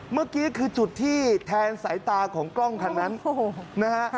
เมื่อกี้คือจุดที่แทนสายตาของกล้องคันนั้นนะฮะ